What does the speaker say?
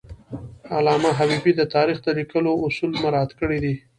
علامه حبیبي د تاریخ د لیکلو اصول مراعات کړي دي.